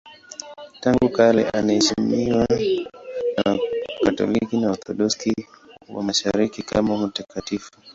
Tangu kale anaheshimiwa na Wakatoliki na Waorthodoksi wa Mashariki kama mtakatifu.